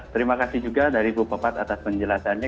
terima kasih juga dari bu pepat atas penjelasannya